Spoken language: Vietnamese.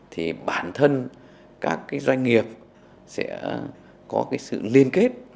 thì bản thân các doanh nghiệp sẽ có sự liên kết